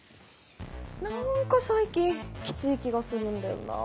なんか最近きつい気がするんだよな。